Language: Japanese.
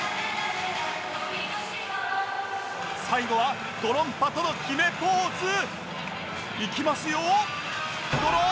最後はドロンパとの決めポーズいきますよ